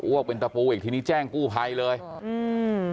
เป็นตะปูอีกทีนี้แจ้งกู้ภัยเลยอืม